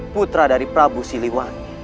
putra dari prabu siliwangi